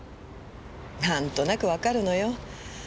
なんとなくわかるのよ。